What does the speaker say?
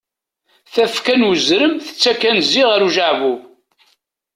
Tafekka n uzrem tettakk anzi ɣer ujeɛbub.